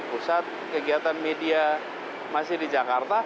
pusat kegiatan media masih di jakarta